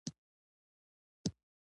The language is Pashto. • انټرنېټ هم د مهمو اختراعاتو څخه دی.